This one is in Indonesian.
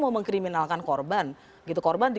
mau mengkriminalkan korban gitu korban di